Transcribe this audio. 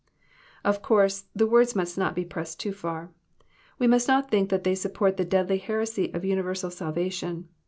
Of course the words must not be pressed too far. We must not think that they support the deadly heresy of universal sal vation.